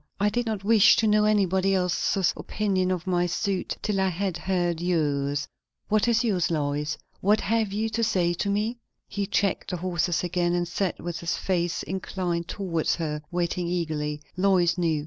I did not wish to know anybody else's opinion of my suit till I had heard yours. What is yours, Lois? what have you to say to me?" He checked the horses again, and sat with his face inclined towards her, waiting eagerly, Lois knew.